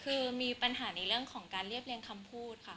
คือมีปัญหาในเรื่องของการเรียบเรียงคำพูดค่ะ